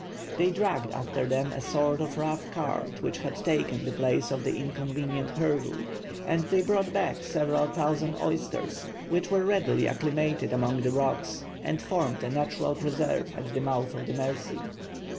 They dragged after them a sort of rough cart which had taken the place of the inconvenient hurdle; and they brought back several thousand oysters, which, were readily acclimated among the rocks, and formed a natural preserve at the mouth of the Mercy.